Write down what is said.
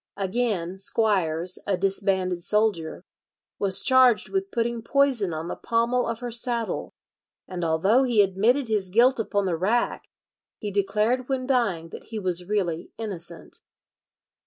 Again, Squires, a disbanded soldier, was charged with putting poison on the pommel of her saddle, and although he admitted his guilt upon the rack, he declared when dying that he was really innocent.